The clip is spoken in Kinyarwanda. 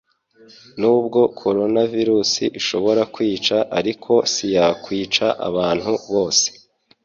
Nubwo koronavirus ishobora kwica ariko siyakwica abantu bose